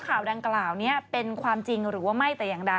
ข่าวดางกล่าวเป็นความจริงหรือไม่